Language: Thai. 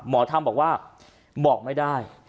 หมอธรรมบอกว่าบอกไม่ได้